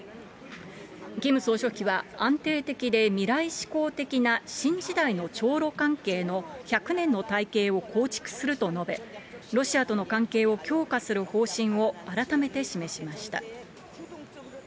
キム総書記は、安定的で未来志向的な新時代の朝ロ関係の１００年の大計を構築すると述べ、ロシアとの関係を強化する方針を改めて示しました。